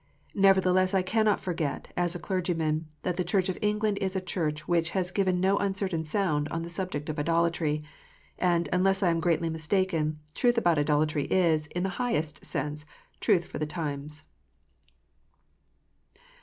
Nevertheless, I cannot forget, as a clergyman, that the Church of England is a Church which has "given no uncertain sound" on the subject of idolatry; and, unless I am greatly mistaken, truth about idolatry is, in the highest sense, truth for the times.